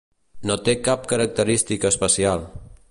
No té cap característica especial.